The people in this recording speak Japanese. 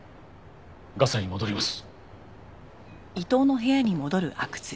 ガサに戻ります。